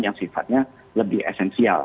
yang sifatnya lebih esensial